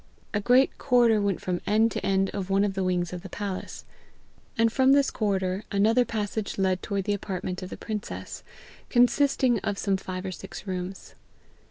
A great corridor went from end to end of one of the wings of the palace, and from this corridor another passage led toward the apartment of the princess, consisting of some five or six rooms.